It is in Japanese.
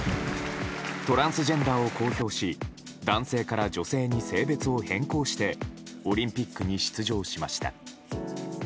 トランスジェンダーを公表し男性から女性に性別を変更してオリンピックに出場しました。